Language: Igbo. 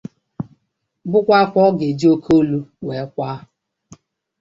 bụkwa ákwá ọ ga-eji óké olu wee kwaa